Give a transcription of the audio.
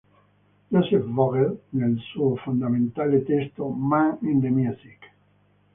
Joseph Vogel, nel suo fondamentale testo "Man in the Music.